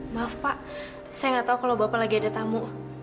maaf pak saya gak tau kalau bapak lagi ada tamu